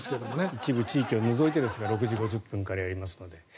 一部地域を除いてですが６時５０分からやりますので。